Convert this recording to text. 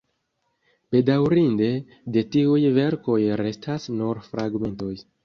Bedaŭrinde, de tiuj verkoj restas nur fragmentoj.